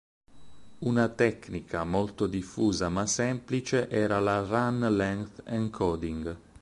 Una tecnica molto diffusa ma semplice era la Run-length encoding.